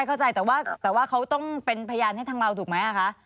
เข้าใจแต่ว่าเขาต้องเป็นพยานให้ทางเราถูกไหมคะ